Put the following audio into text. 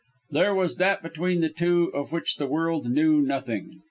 There was that between the two of which the world knew nothing.